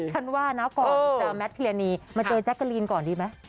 ฉันว่านะก่อนเจอแมทพิรณีมาเจอแจ๊กกะลีนก่อนดีไหม